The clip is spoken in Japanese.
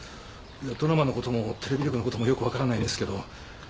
ドラマのこともテレビ局のこともよく分からないですけど。